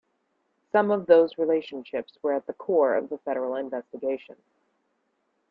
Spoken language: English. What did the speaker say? Some of those relationships were at the core of the federal investigation.